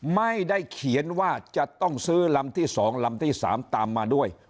ไม่ได้เขียนว่าจะต้องซื้อลำที่๒ลำที่๓ตามมาด้วย